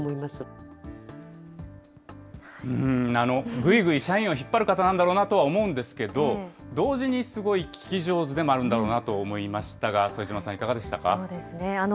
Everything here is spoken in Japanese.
ぐいぐい社員を引っ張る方なんだろうなとは思うんですけど、同時にすごい聞き上手でもあるんだろうなと思いましたが、副島さそうですね。